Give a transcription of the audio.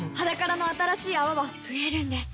「ｈａｄａｋａｒａ」の新しい泡は増えるんです